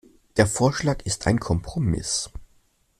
Der Vorschlag ist ein Kompromiss.